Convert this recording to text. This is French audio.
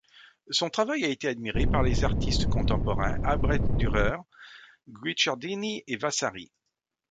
Son travail a été admiré par les artistes contemporains Albrecht Dürer, Guicciardini et Vasari.